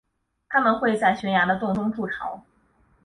它们会在悬崖的洞中筑巢。